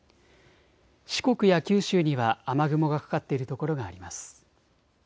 四国や九州には雨雲がかかっている所があります。